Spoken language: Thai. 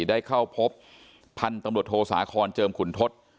ได้เข้าพบพันธุ์ตำรวจโทสาคอนเจิมขุนทศ